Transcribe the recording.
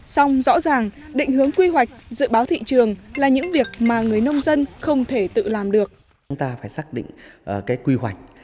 song rõ ràng định hướng quy hoạch dự báo thị trường là những việc mà người nông dân không thể tự làm được